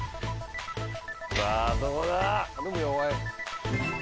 さあどうだ？